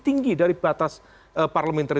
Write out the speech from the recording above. tinggi dari batas parliamentary